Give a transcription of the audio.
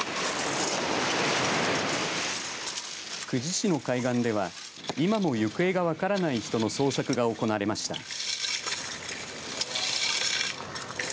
久慈市の海岸では今も行方が分からない人の捜索が行われました。